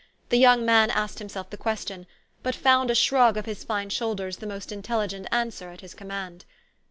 The young man asked himself the question, but found a shrug of his fine shoulders the most intelligent answer at his command.